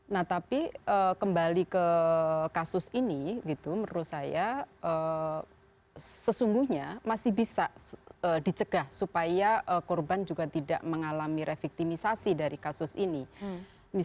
nah tapi kembali ke kasus ini gitu menurut saya sesungguhnya masih bisa dicegah supaya korban juga tidak mengalami reviktimisasi dari kasus ini